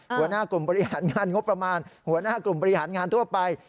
หัวหน้ากลุ่มบริหารงานงบประมาณหัวหน้ากลุ่มบริหารงานทั่วไป